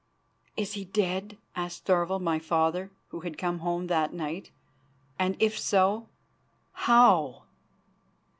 "Is he dead?" asked Thorvald, my father, who had come home that night; "and if so, how?"